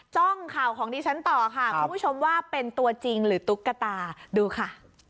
จ้องข่าวของดิฉันต่อค่ะคุณผู้ชมว่าเป็นตัวจริงหรือตุ๊กตาดูค่ะ